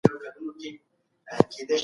چې ښه مسلمانان اوسو.